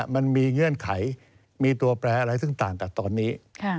เงื่อนไขมีตัวแปรอะไรซึ่งต่างกับตอนนี้